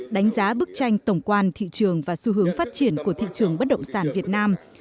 đánh giá bức tranh tổng quan thị trường và xu hướng phát triển của thị trường bất động sản việt nam